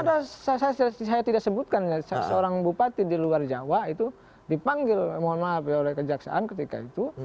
dan ada saya tidak sebutkan ya seorang bupati di luar jawa itu dipanggil mohon maaf ya oleh penjaksaan ketika itu